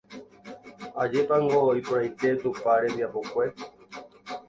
Ajépango iporãite Tupã rembiapokue